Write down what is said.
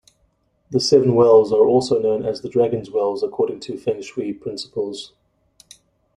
The Seven Wells are also known as the Dragon's wells according to fengshui principles.